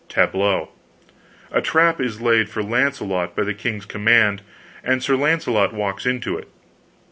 Tableau. A trap is laid for Launcelot, by the king's command, and Sir Launcelot walks into it.